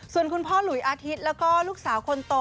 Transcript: ส่วนคุณพ่อหลุยอาทิตย์แล้วก็ลูกสาวคนโต